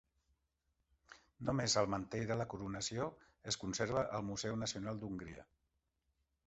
Només el mantell de la coronació es conserva al Museu Nacional d'Hongria.